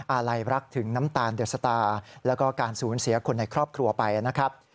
อะไรรักถึงน้ำตาลเดอะสตาร์แล้วก็การสูญเสียคนในครอบครัวไปนะครับ